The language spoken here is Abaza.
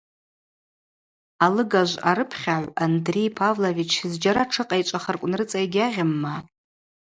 Алыгажв-арыпхьагӏв Андрей Павлович зджьара тшыкъайчӏвахырквын рыцӏа йгьагъьымма?